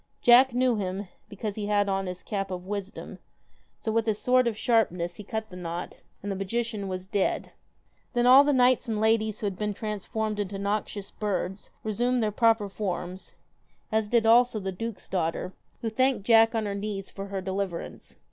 Jack knew him, because he had on his cap of wisdom, so with his sword of sharpness, he cut the knot, and the magician was dead. Then all the knights and ladies who had been transformed into noxious birds resumed their proper forms, as did also the duke's daughter, who thanked Jack on her knees for her deliverance.